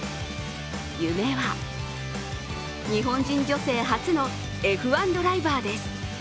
夢は日本人女性初のＦ１ドライバーです。